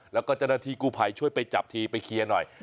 แล้วก็เจ้าหน้าที่กู้ภัยช่วยไปจับทีไปเคลียร์หน่อย